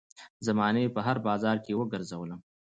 زمانې په هـــــر بازار وګرځــــــــــولم